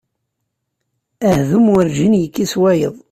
Ahdum werǧin yekkis wayeḍ.